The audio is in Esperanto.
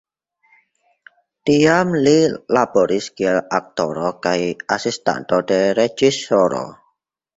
Tiam li laboris kiel aktoro kaj asistanto de reĝisoro.